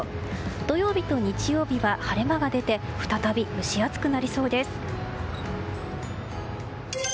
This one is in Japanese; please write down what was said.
土曜日と日曜日は晴れ間が出て再び蒸し暑くなりそうです。